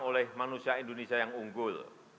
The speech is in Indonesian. oleh manusia indonesia yang unggul